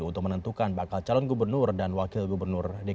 untuk menentukan bakal calon gubernur dan wakil gubernur dki jakarta